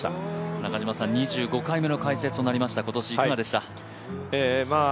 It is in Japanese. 中嶋さん、３５回目の解説となりました、今回いかがでしたか。